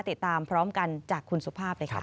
ติดตามพร้อมกันจากคุณสุภาพเลยค่ะ